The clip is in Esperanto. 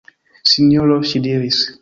Sinjoro, ŝi diris.